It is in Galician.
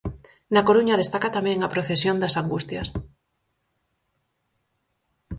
Na Coruña destaca tamén a procesión das Angustias.